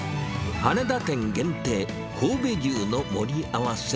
羽田店限定、神戸牛の盛り合わせ。